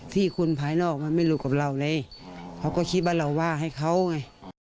ที่คนภายนอกมันไม่รู้กับเราเลยเขาก็คิดว่าเราว่าให้เขาไง